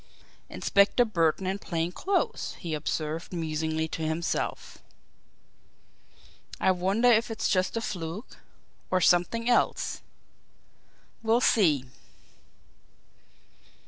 "Inspector Burton in plain clothes," he observed musingly to himself. "I wonder if it's just a fluke or something else? We'll see."